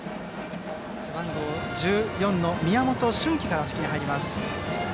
背番号１４の宮本隼希が打席に入ります。